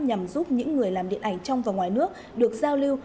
nhằm giúp những người làm điện ảnh trong và ngoài nước được giao lưu